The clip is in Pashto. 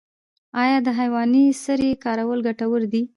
آیا د حیواني سرې کارول ګټور دي؟